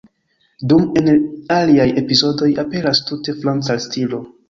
Dum en aliaj epizodoj aperas tute franca stilo.